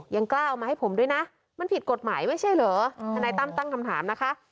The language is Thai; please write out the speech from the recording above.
ยังกล้าเอามาให้ผมด้วยนะมันผิดกฎหมายไม่ใช่เหรอทนายตั้มตั้งคำถามนะคะ